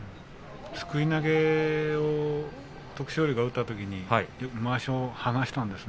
すくい投げを徳勝龍が打ったときにまわしを離したんです。